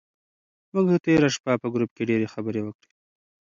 موږ تېره شپه په ګروپ کې ډېرې خبرې وکړې.